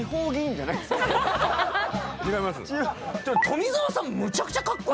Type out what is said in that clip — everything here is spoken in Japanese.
富澤さん